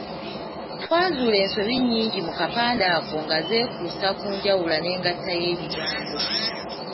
Twazuula ensobi nnyingi mu kapande ako nga zeekuusa ku njawula n'engatta y'ebigambo.